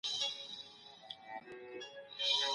په ټولنه کي د زغم او زغم کلتور ته وده ورکړئ.